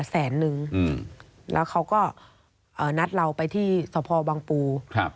แสนนึงแล้วเขาก็นัดเราไปที่สพบังปู